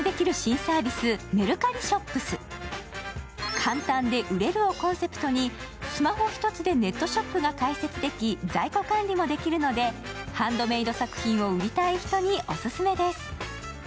簡単で売れるをコンセプトでスマホ一つでネットショップが開設でき、在庫管理もできるのでハンドメイド作品を売りたい人にオススメです。